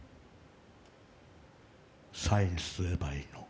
サインすればいいの？